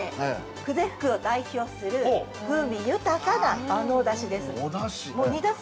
久世福を代表する風味豊かな万能だしです。